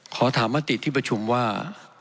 ขอถามมติที่ประชุมว่า